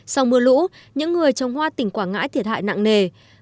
sau mưa lũ những người trồng hoa tỉnh quảng ngãi thiệt hại nặng nề